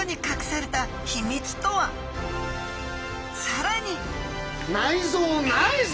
さらに！